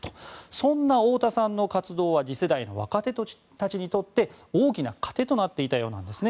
そんな太田さんの活動は次世代の若手たちにとって大きな糧となっていたようなんですね。